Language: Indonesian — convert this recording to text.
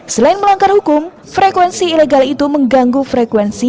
selain melanggar hukum frekuensi ilegal itu mengganggu frekuensi